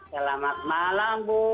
selamat malam bu